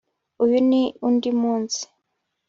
Uyu ni undi munsi